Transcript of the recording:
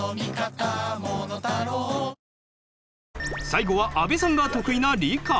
最後は阿部さんが得意な理科。